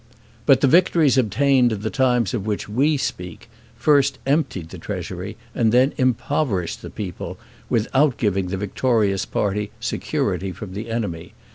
But the victories obtained in the times of which we speak, first emptied the treasury, and then impoverished the people, without giving the victorious party security from the enemy.